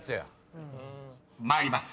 ［参ります。